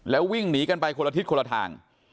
แล้ววิ่งหนีกันไปคนละทิศคนละทาง